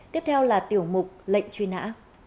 tiếp theo là tiểu mục lệnh truy nã